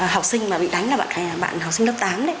học sinh mà bị đánh là bạn học sinh lớp tám đấy